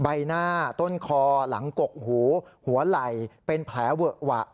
ใบหน้าต้นคอหลังกกหูหัวไหล่เป็นแผลเวอะหวะ